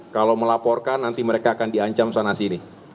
kalau melaporkan nanti mereka akan diancam sana sini